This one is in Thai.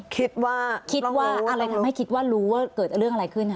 คิดว่าคิดว่าอะไรทำให้คิดว่ารู้ว่าเกิดเรื่องอะไรขึ้น